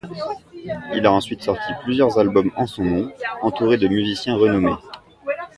Il a ensuite sorti plusieurs albums en son nom, entouré de musiciens renommés.